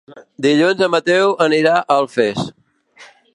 Dilluns en Mateu anirà a Alfés.